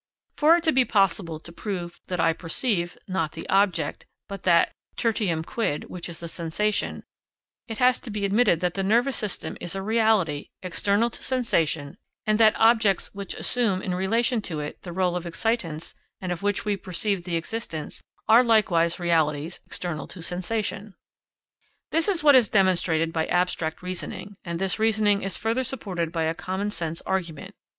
For it to be possible to prove that I perceive, not the object, but that tertium quid which is sensation, it has to be admitted that the nervous system is a reality external to sensation and that objects which assume, in relation to it, the rôle of excitants and of which we perceive the existence, are likewise realities external to sensation. This is what is demonstrated by abstract reasoning, and this reasoning is further supported by a common sense argument.